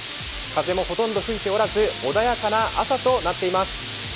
風もほとんど吹いておらず穏やかな朝となっております。